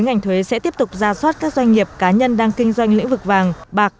ngành thuế sẽ tiếp tục ra soát các doanh nghiệp cá nhân đang kinh doanh lĩnh vực vàng bạc